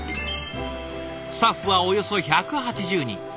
スタッフはおよそ１８０人。